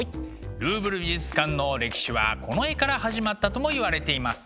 ルーブル美術館の歴史はこの絵から始まったともいわれています。